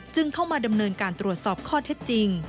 เข้ามาดำเนินการตรวจสอบข้อเท็จจริง